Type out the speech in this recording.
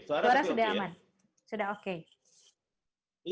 suara sudah aman